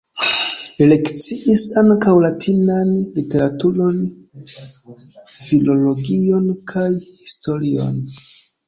Li lekciis ankaŭ latinan literaturon, filologion kaj historion.